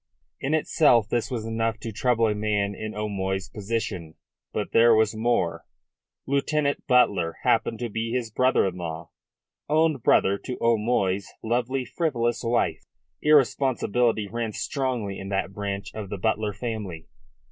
In itself this was enough to trouble a man in O'Moy's position. But there was more. Lieutenant Butler happened to be his brother in law, own brother to O'Moy's lovely, frivolous wife. Irresponsibility ran strongly in that branch of the Butler family.